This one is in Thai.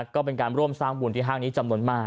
ก็เป็นการร่วมสร้างบุญที่ห้างนี้จำนวนมาก